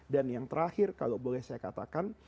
dan yang terakhir kalau boleh saya katakan